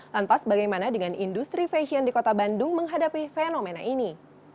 lantas bagaimana dengan industri fashion di kota bandung menghadapi fenomena ini